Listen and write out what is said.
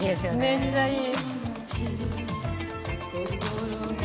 めっちゃいい。